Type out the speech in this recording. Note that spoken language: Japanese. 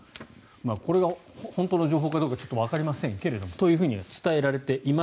これが本当の情報かどうかわかりませんがというふうには伝えられています。